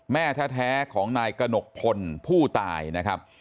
แม่แท้ของนายกระหนกพลผู้ตายนะครับ